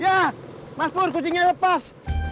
ya mas pohon kucingnya lepas